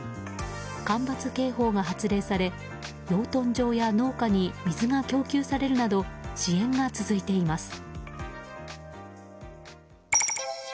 干ばつ警報が発令され養豚場や農家に水が供給されるなど支援が続いています。